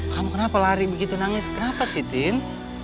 kamu kenapa lari begitu nangis kenapa sitin